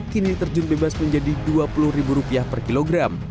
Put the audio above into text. kini terjun bebas menjadi rp dua puluh per kilogram